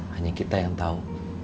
hanya kita yang tau